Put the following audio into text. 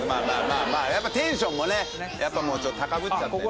まあまあやっぱテンションもねちょっと高ぶっちゃってね